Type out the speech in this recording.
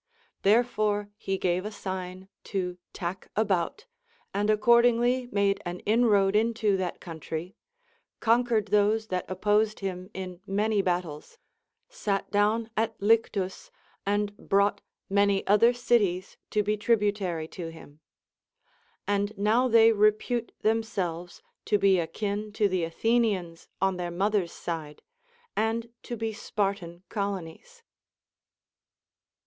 Therefore he gave a sign to tack abont, and accordingly made an inroad into that country, conqnered those that opposed him in many battles, sat down at Lyctus, and bronglit many other cities to be tributary to him. And now they repute themselves to be akin to the Athenians on their mothers' side, and to be Spartan colonies.